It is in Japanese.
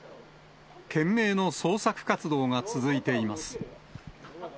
懸命の捜索活動が続いています。